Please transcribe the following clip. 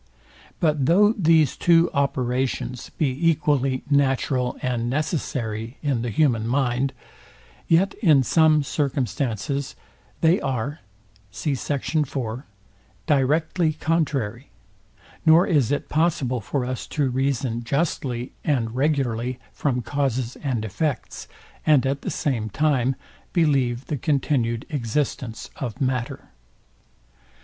But though these two operations be equally natural and necessary in the human mind, yet in some circumstances they are directly contrary, nor is it possible for us to reason justly and regularly from causes and effects, and at the same time believe the continued existence of matter.